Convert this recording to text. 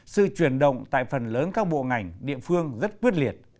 sự chuyển động tại phần lớn các bộ ngành địa phương rất quyết liệt